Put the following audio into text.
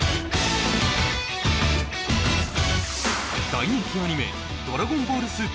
大人気アニメ「ドラゴンボール超」